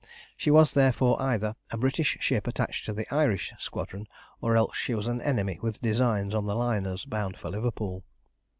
She was therefore either a British ship attached to the Irish Squadron, or else she was an enemy with designs on the liners bound for Liverpool.